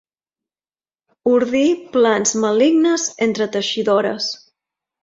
Ordir plans malignes entre teixidores.